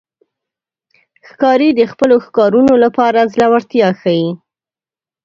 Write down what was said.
ښکاري د خپلو ښکارونو لپاره زړورتیا ښيي.